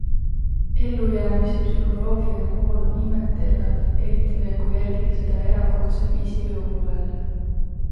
Ellujäämise psühholoogiline pool on imeteldav, eriti veel, kui jälgida seda erakordse kriisi või ohu ajal.